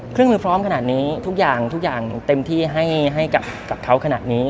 เครื่องมือพร้อมขนาดนี้ทุกอย่างทุกอย่างเต็มที่ให้กับเขาขนาดนี้